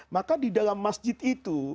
maka di dalam masjid itu